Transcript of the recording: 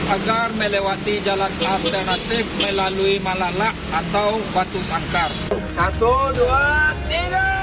agar melewati jalan alternatif melalui malalak atau batu sangkar